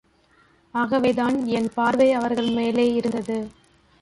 ஆகவேதான் என் பார்வை அவர்கள் மேலே இருந்தது.